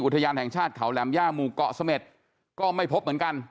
อุทยานแห่งชาติเขาแหลมย่าหมู่เกาะเสม็ดก็ไม่พบเหมือนกัน